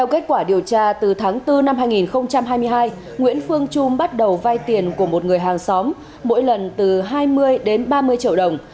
kết quả điều tra từ tháng bốn năm hai nghìn hai mươi hai nguyễn phương trung bắt đầu vay tiền của một người hàng xóm mỗi lần từ hai mươi đến ba mươi triệu đồng